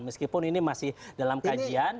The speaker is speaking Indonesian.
meskipun ini masih dalam kajian